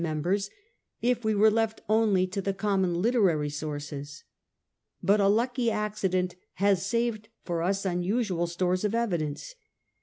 vii members if we were left only to the common literary sources. But a lucky accident has saved for us unusual stores of evidence.